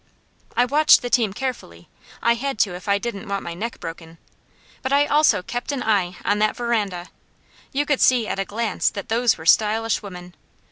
I watched the team carefully; I had to if I didn't want my neck broken; but I also kept an eye on that veranda. You could see at a glance that those were stylish women.